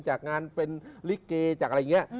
จากงานเป็นลิเกจากอะไรอย่างนี้